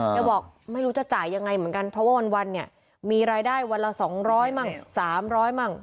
บอกไม่รู้จะจ่ายยังไงเหมือนกันเพราะว่าวันเนี่ยมีรายได้วันละ๒๐๐มั่ง๓๐๐มั่ง